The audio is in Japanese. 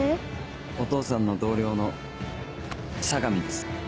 お父さんの同僚の相模です。